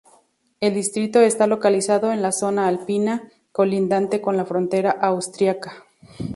El distrito está localizado en la zona alpina, colindante con la frontera austriaca.